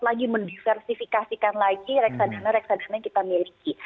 lagi mendiversifikasikan lagi reksadana reksadana yang kita miliki